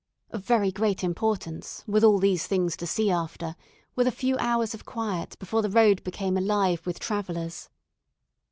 Of very great importance, with all these things to see after, were the few hours of quiet before the road became alive with travellers.